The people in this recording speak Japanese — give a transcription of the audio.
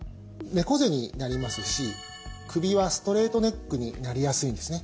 猫背になりますし首はストレートネックになりやすいんですね。